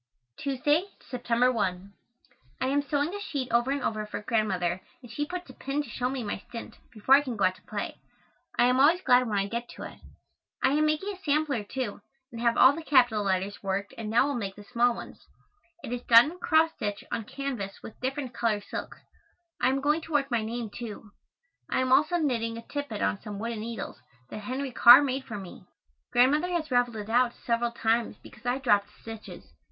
Tuesday, September 1. I am sewing a sheet over and over for Grandmother and she puts a pin in to show me my stint, before I can go out to play. I am always glad when I get to it. I am making a sampler, too, and have all the capital letters worked and now will make the small ones. It is done in cross stitch on canvas with different color silks. I am going to work my name, too. I am also knitting a tippet on some wooden needles that Henry Carr made for me. Grandmother has raveled it out several times because I dropped stitches.